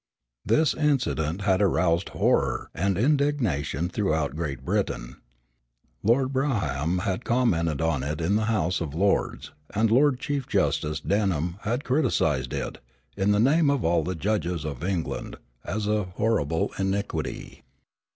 This incident had aroused horror and indignation throughout Great Britain. Lord Brougham had commented on it in the House of Lords, and Lord Chief Justice Denham had characterized it "in the name of all the judges of England" as a "horrible iniquity."